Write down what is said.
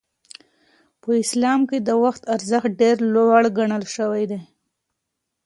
په اسلام کې د وخت ارزښت ډېر لوړ ګڼل شوی دی.